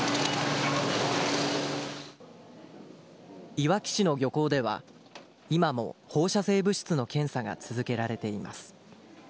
いわき市の漁港では、今も放射性物質の検査が続けられています。